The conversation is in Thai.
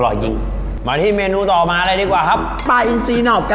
อร่อยเชียบแน่นอนครับอร่อยเชียบแน่นอนครับ